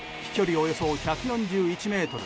およそ１４１ｍ。